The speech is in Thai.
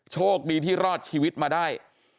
โชคดีที่รอดชีวิตมาได้